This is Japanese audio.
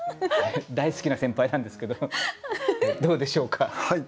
大好きな先輩なんですけどどうでしょうか？